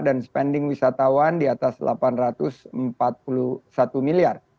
dan spending wisatawan di atas rp delapan ratus empat puluh satu miliar